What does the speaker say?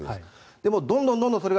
でもどんどん、それが